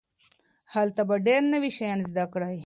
هلته به ډېر نوي شيان زده کړئ.